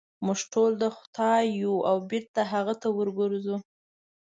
موږ ټول د خدای یو او بېرته هغه ته ورګرځو.